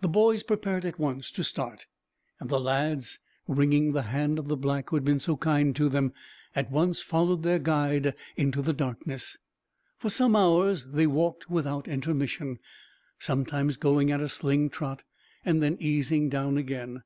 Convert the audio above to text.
The boy prepared at once to start, and the lads, wringing the hand of the black who had been so kind to them, at once followed their guide into the darkness. For some hours they walked without intermission, sometimes going at a sling trot, and then easing down again.